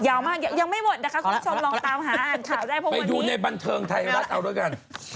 มากยังไม่หมดนะคะคุณผู้ชมลองตามหาอ่านข่าวได้เพราะว่าไปดูในบันเทิงไทยรัฐเอาด้วยกัน